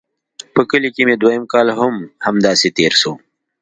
په کلي کښې مې دويم کال هم همداسې تېر سو.